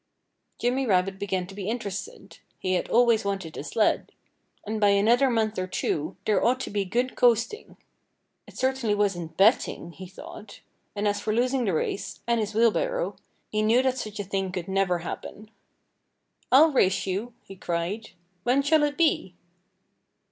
Jimmy Rabbit began to be interested. He had always wanted a sled. And by another month or two there ought to be good coasting. It certainly wasn't betting, he thought. And as for losing the race and his wheelbarrow he knew that such a thing could never happen. "I'll race you!" he cried. "When shall it be?"